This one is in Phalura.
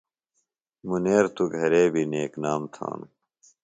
مُنیر توۡ گھرےۡ بیۡ نیک نام تھانوۡ۔